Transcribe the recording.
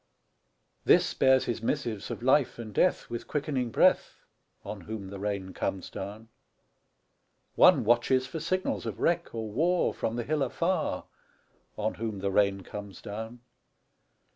This bears his missives of life and death With quickening breath, On whom the rain comes down. One watches for signals of wreck or war From the hill afar, On whom the rain comes down.